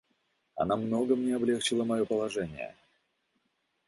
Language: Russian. Она много мне облегчила мое положение.